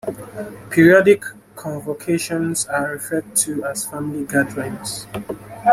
Periodic convocations are referred to as family gatherings.